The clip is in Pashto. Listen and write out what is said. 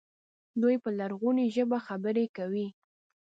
دوی په لرغونې ژبه خبرې کوي.